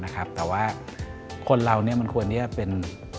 แต่ว่าคนเรามันควรที่จะเป็น